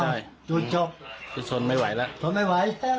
อ้าวจุดจบทนไม่ไหวแล้ว